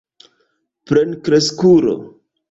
plenkreskulo